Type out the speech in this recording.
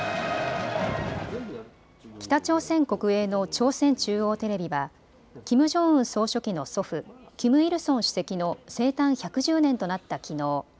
北朝鮮国営の朝鮮中央テレビはキム・ジョンウン総書記の祖父、キム・イルソン主席の生誕１１０年となったきのう